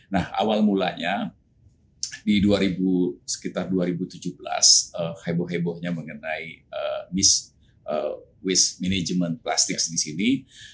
nah awal mulanya di sekitar dua ribu tujuh belas heboh hebohnya mengenai waste management plastics di sini